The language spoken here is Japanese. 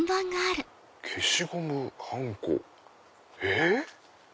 消しゴムはんこえっ？